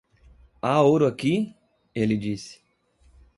"Há ouro aqui?" ele disse.